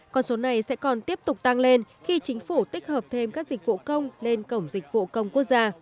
còn số này sẽ còn tiếp tục tăng lên khi chính phủ tích hợp thêm các dịch vụ công lên cổng dịch vụ công quốc gia